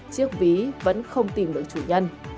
chiếc ví vẫn không tìm được chủ nhân